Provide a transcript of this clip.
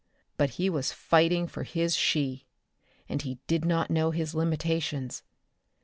But he was fighting for his she. And he did not know his limitations.